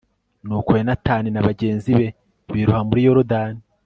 nuko yonatani na bagenzi be biroha muri yorudani